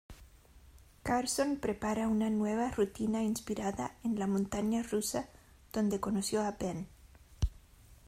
Carson prepara una nueva rutina inspirada en la montaña rusa donde conoció a Benn.